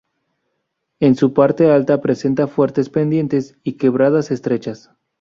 En su parte alta presenta fuertes pendientes y quebradas estrechas.